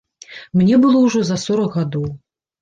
Мне было ўжо за сорак гадоў.